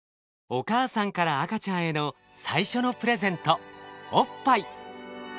お母さんから赤ちゃんへの最初のプレゼントおっぱい。